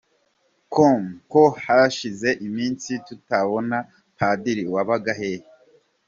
com: Ko hashize iminsi tutababona Padiri, wabaga hehe?.